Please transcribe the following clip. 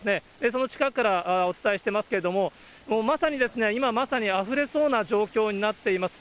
その近くからお伝えしていますけれども、まさに今、まさにあふれそうな状況になっています。